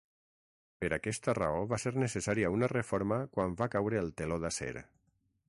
Per aquesta raó va ser necessària una reforma quan va caure el Teló d'acer.